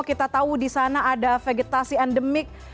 kita tahu di sana ada vegetasi endemik